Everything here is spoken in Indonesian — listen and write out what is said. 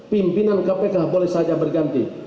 pimpinan kpk boleh saja berganti